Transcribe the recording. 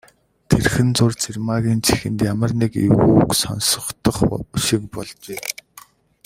Тэрхэн зуур Цэрэгмаагийн чихэнд ямар нэг эвгүй үг сонстох шиг болжээ.